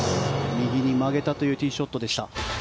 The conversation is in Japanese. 右に曲げたというティーショットでした。